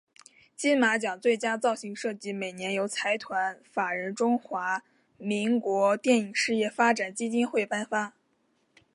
金马奖最佳造型设计每年由财团法人中华民国电影事业发展基金会颁发。